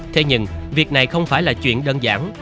thế nhưng việc này không phải là chuyện đơn giản